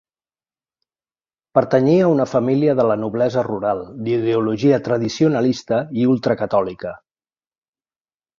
Pertanyia a una família de la noblesa rural, d'ideologia tradicionalista i ultracatòlica.